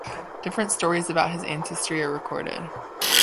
Different stories about his ancestry are recorded.